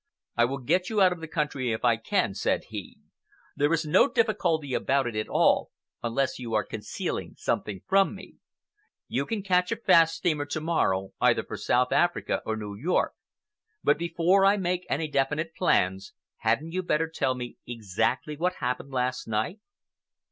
"I will get you out of the country if I can," said he. "There is no difficulty about it at all unless you are concealing something from me. You can catch a fast steamer to morrow, either for South Africa or New York, but before I make any definite plans, hadn't you better tell me exactly what happened last night?"